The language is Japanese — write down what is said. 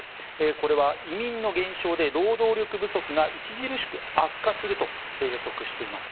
これは移民の減少で労働力不足が著しく悪化すると予測しています。